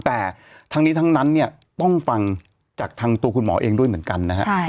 แต่ทั้งนี้ทั้งนั้นเนี่ยต้องฟังจากทางตัวคุณหมอเองด้วยเหมือนกันนะฮะ